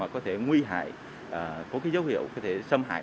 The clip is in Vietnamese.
có thể nguy hại có dấu hiệu có thể xâm hại